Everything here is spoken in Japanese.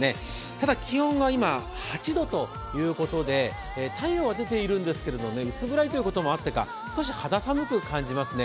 ただ、気温が今８度ということで太陽は出ているんですけれども、薄暗いということもあってか少し肌寒く感じますね。